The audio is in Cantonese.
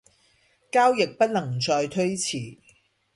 交易不能再推遲